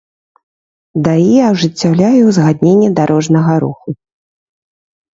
ДАІ ажыццяўляе ўзгадненне дарожнага руху